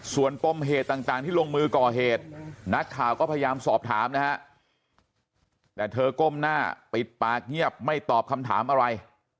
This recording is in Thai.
ส่วนปมเหตุต่างที่ลงมือก่อเหตุนักข่าวก็พยายามสอบถามนะฮะแต่เธอก้มหน้าปิดปากเงียบไม่ตอบคำถามอะไร